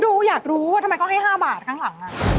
ดูอยากรู้ว่าทำไมของให้๕บาทข้างหลังน่ะ